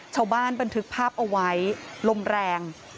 ชาวบ้านบันทึกภาพเอาไว้ลมแรง